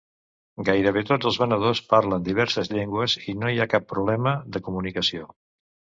Gairebé tots els venedors parlen diverses llengües i no hi ha cap problema de comunicació.